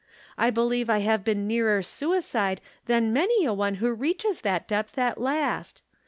I believe I have been nearer sui cide than many a one who reaches that depth at last.